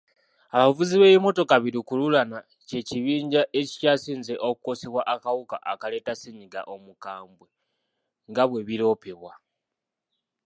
Abavuzi b'ebimmotoka bi lukululana ky'ekibinja ekikyasinze okukosebwa akawuka akaleeta ssennyiga omukambwe nga bwe biroopebwa.